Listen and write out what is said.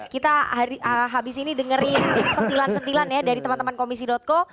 kita habis ini dengerin sentilan sentilan ya dari teman teman komisi co